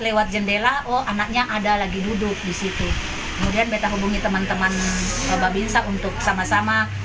petugas menemukan seorang anak berusia sebelas tahun di dalam kamar indekos sekitar lima bulan